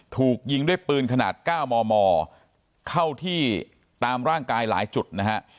ถูกยิงด้วยปืนขนาด๙มมเข้าที่ตามร่างกายหลายจุดนะฮะ